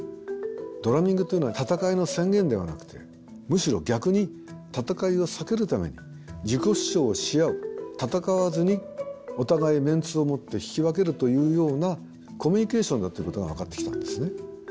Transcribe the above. ドラミングというのは戦いの宣言ではなくてむしろ逆に戦いを避けるために自己主張し合う戦わずにお互いメンツをもって引き分けるというようなコミュニケーションだっていうことが分かってきたんですね。